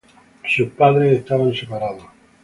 Sus padres estaban separados.